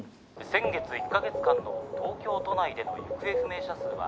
先月１か月間の東京都内での行方不明者数は。